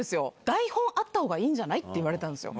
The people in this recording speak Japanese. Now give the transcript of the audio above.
台本あったほうがいいんじゃないって言われたんですよ。